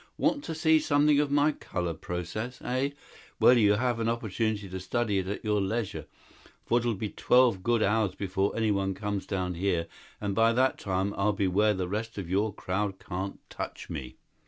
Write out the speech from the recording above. Want to see something of my color process, eh? Well, you'll have an opportunity to study it at your leisure, for it'll be twelve good hours before anyone comes down here, and by that time I'll be where the rest of your crowd can't touch me."